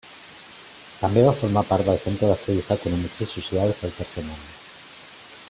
També va formar part del Centre d'Estudis Econòmics i Socials del Tercer Món.